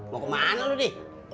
mau kemana lo di